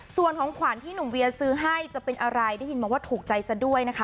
ส่วนของขวัญที่หนุ่มเวียซื้อให้จะเป็นอะไรได้ยินมาว่าถูกใจซะด้วยนะคะ